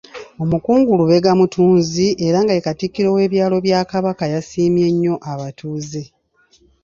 Omukungu Lubega Mutunzi era nga ye Katikkiro w’ebyalo bya Kabaka yasiimye nnyo abatuuze.